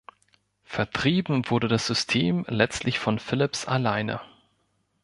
Vertrieben wurde das System letztlich von Philips alleine.